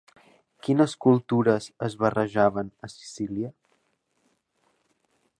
Quines cultures es barrejaven a Sicília?